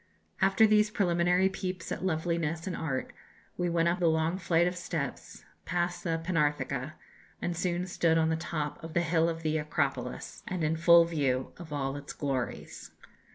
After these preliminary peeps at loveliness and art, we went up the long flight of steps, past the Pinartheca, and soon stood on the top of the Hill of the Acropolis, and in full view of all its glories.